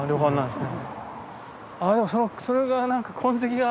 でもそのそれが何か痕跡が。